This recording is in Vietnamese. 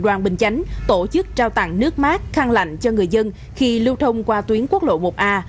đoàn bình chánh tổ chức trao tặng nước mát khăn lạnh cho người dân khi lưu thông qua tuyến quốc lộ một a